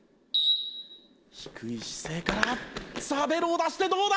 低い姿勢からさあベロを出してどうだ？